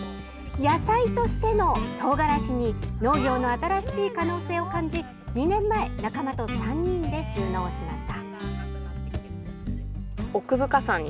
野菜としてのトウガラシに農業の新しい可能性を感じ２年前仲間と３人で就農しました。